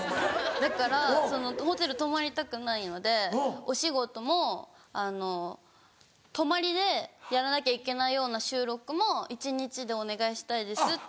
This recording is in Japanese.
だからホテル泊まりたくないのでお仕事も泊まりでやらなきゃいけないような収録も一日でお願いしたいですって。